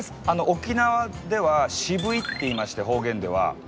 沖縄ではしぶいっていいまして方言では。